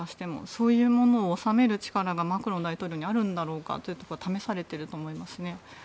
そういうのを収める力がマクロン大統領にあるんだろうかというところが試されていると思いますね。